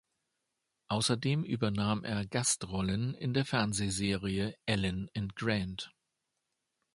Außerdem übernahm er Gastrollen in der Fernsehserie "Ellen and Grand".